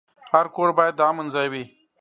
هر کور باید د امن ځای وي.